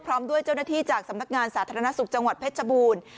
พร้อมด้วยเจ้าหน้าที่จากสำนักงานสาธารณสุขจังหวัดเพชรบูรณ์